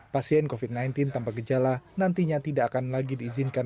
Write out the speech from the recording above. pasien covid sembilan belas tanpa gejala nantinya tidak akan lagi diizinkan